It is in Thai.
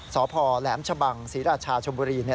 สพแหลมชะบังศรีราชาชมบุรี